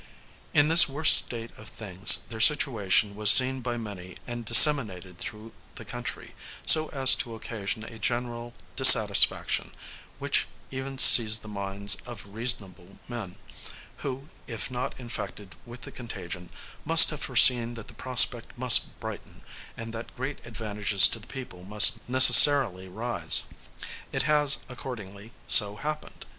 In this worst state of things, their situation was seen by many and disseminated through the country, so as to occasion a general dissatisfaction, which even seized the minds of reasonable men, who, if not infected with the contagion, must have foreseen that the prospect must brighten, and that great advantages to the people must necessarily arise. It has, accordingly, so happened.